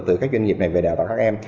từ các doanh nghiệp này về đào tạo các em